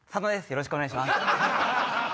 よろしくお願いします。